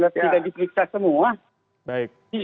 tidak diperiksa semua